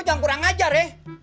lo jangan kurang ngajar ya